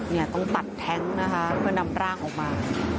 เนี่ยต้องตัดแท้งนะคะเพื่อนำร่างออกมา